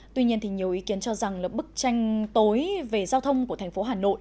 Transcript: tuy nhiên thì nhiều ý kiến cho rằng là bức tranh tối về giao thông của thành phố hà nội